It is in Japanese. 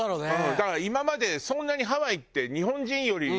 だから今までそんなにハワイって日本人の方がさ。